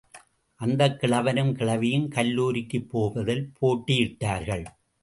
அந்தக் கிழவனும் கிழவியும் கல்லூரிக்குப் போவதில் போட்டியிட்டார்கள்.